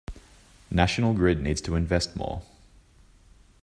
National Grid needs to invest more".